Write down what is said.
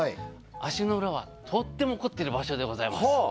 足の裏はとっても凝っている場所でございます。